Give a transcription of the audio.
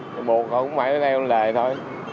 buộc họ cũng phải lên lệ thôi